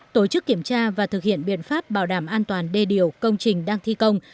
tổ chức kiểm tra và thực hiện biện pháp bảo đảm an toàn đê điều công trình đang thi công